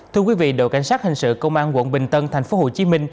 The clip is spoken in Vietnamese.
thưa quý vị đội cảnh sát hình sự công an quận bình tân tp hcm